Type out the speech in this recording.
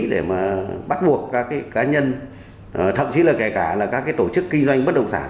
để bắt buộc các cá nhân thậm chí là kể cả các tổ chức kinh doanh bất động sản